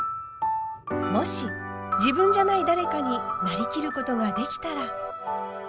もし自分じゃない誰かになりきることができたら。